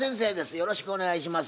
よろしくお願いします。